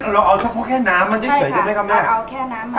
เราเอาข้าวโพดแค่น้ำมันเฉยได้ไหมค่ะเอาแค่น้ำมันเฉย